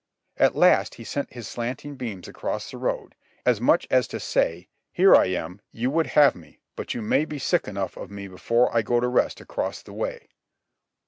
At last he sent his slanting beams across the road, as much as to say: "Here I am; you would have me, but you may be sick enough of me before I go to rest across the way!"